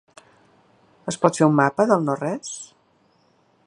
Es pot fer un mapa del no-res?